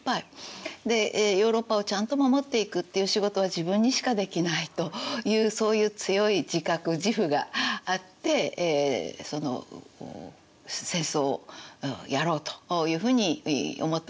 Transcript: でヨーロッパをちゃんと守っていくっていう仕事は自分にしかできないというそういう強い自覚自負があって戦争をやろうというふうに思ったわけです。